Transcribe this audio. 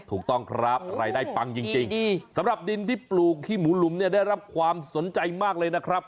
ถูกต้องครับรายได้ปังจริงสำหรับดินที่ปลูกขี้หมูหลุมเนี่ยได้รับความสนใจมากเลยนะครับ